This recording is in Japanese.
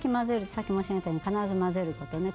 さっき申し上げたように必ず混ぜることね。